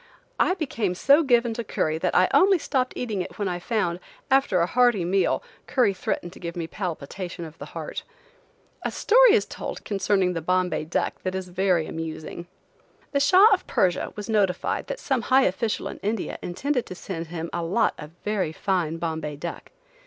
I became so given to curry that I only stopped eating it when I found, after a hearty meal, curry threatened to give me palpitation of the heart. A story is told concerning the Bombay duck that is very amusing. The Shah of Persia was notified that some high official in India intended to send him a lot of very fine Bombay duck.